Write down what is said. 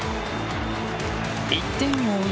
１点を追う